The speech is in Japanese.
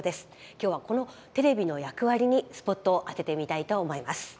今日はこのテレビの役割にスポットを当ててみたいと思います。